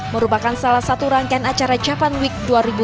merupakan salah satu rangkaian acara jepan week dua ribu delapan belas